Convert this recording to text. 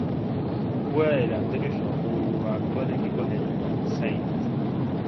Juega de delantero y su actual equipo es el St.